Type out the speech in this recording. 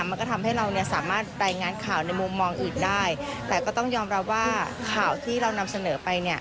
มันก็ทำให้เราเนี่ยสามารถรายงานข่าวในมุมมองอื่นได้แต่ก็ต้องยอมรับว่าข่าวที่เรานำเสนอไปเนี่ย